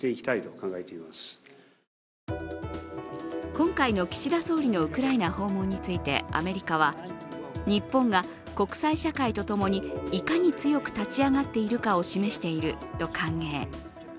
今回の岸田総理のウクライナ訪問についてアメリカは、日本が国際社会とともにいかに強く立ち上がっているかを示していると歓迎。